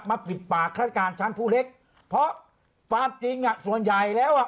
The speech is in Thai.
ปิดปากฆาติการชั้นผู้เล็กเพราะความจริงอ่ะส่วนใหญ่แล้วอ่ะ